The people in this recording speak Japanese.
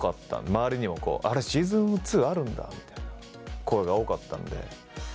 周りにも「あれシーズン２あるんだ」みたいな声が多かったんで。